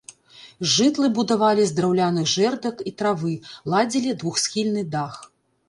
Жытлы будавалі з драўляных жэрдак і травы, ладзілі двухсхільны дах.